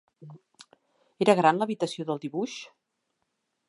Era gran l'habitació de dibuix?